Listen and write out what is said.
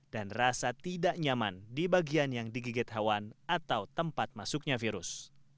dan rasa tidak nyaman di bagian yang digigit hawan atau tempat masuknya virus